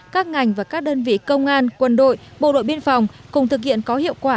các ngành và các đơn vị công an quân đội bộ đội biên phòng cùng thực hiện có hiệu quả